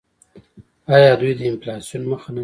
آیا دوی د انفلاسیون مخه نه نیسي؟